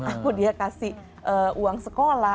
aku dia kasih uang sekolah